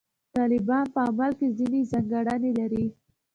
طالبان په عمل کې ځینې ځانګړنې لري.